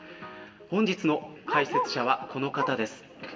本日の解説者はこの方です。